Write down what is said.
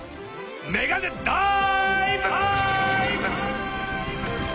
メガネダイブ！